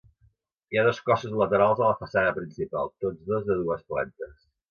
Hi ha dos cossos laterals a la façana principal, tots dos de dues plantes.